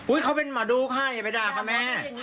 อุ๊ยเขาเป็นหมาดูค่ะอย่าไปดักอ่ะแม่